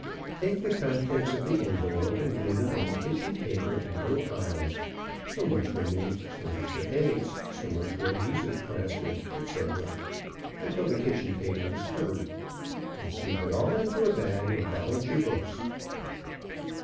Take the contents of the envelope and lay them on the kitchen table in little piles, so much for meat, so much for eggs, so much for adhesive plaster, etc., until the kitchen table is covered. Then sweep it all into a bag and balance your books.